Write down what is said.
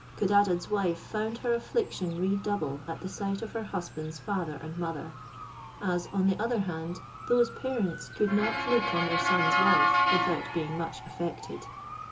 Codadad's wife found her affliction redouble at the sight of her husband's father and mother; as, on the other hand, those parents could not look on their son's wife without being much affected.